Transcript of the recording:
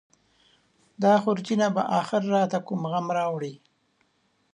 دا خورجینه به اخر راته کوم غم راوړي.